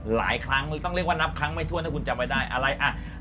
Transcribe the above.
หลายครั้งต้องเรียกว่านับครั้งไม่ทวนถ้าคุณจำไว้ได้